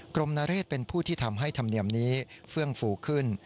นเรศเป็นผู้ที่ทำให้ธรรมเนียมนี้เฟื่องฟูขึ้น